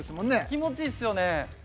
気持ちいいっすよね